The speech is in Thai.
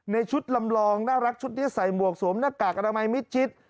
ในชุดลำลองน่ารักชุดนี้ใส่หมวกสวมหน้ากากอนามัยมิดชิด